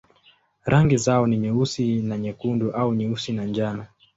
Rangi zao ni nyeusi na nyekundu au nyeusi na njano.